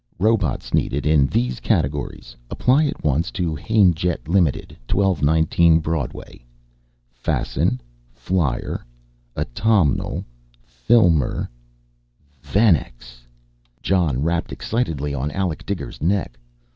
ROBOTS NEEDED IN THESE CATEGORIES. APPLY AT ONCE TO CHAINJET, LTD., 1219 BROADWAY. Fasten Flyer Atommel Filmer Venex Jon rapped excitedly on Alec Diger's neck.